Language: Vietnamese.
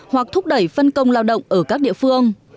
hoặc thúc đẩy phân công lao động ở các địa phương